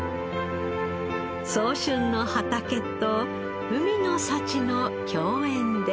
早春の畑と海の幸の共演です。